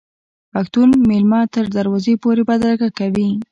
پښتون میلمه تر دروازې پورې بدرګه کوي.